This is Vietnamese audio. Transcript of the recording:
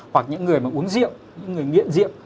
hoặc những người mà uống rượu những người nghiện rượu